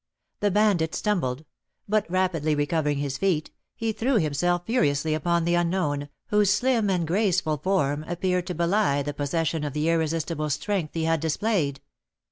The bandit stumbled; but, rapidly recovering his feet, he threw himself furiously upon the unknown, whose slim and graceful form appeared to belie the possession of the irresistible strength he had displayed.